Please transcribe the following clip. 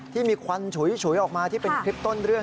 ควันฉุยออกมาที่เป็นคลิปต้นเรื่อง